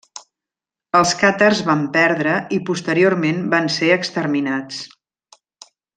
Els càtars van perdre i posteriorment van ser exterminats.